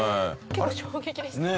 結構衝撃でした。